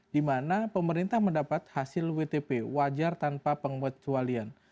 di mana pemerintah mendapat hasil wtp wajar tanpa pengecualian